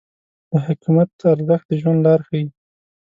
د حکمت ارزښت د ژوند لار ښیي.